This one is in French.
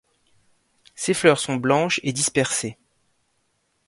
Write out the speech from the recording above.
Ses fleurs sont blanches et dispersées.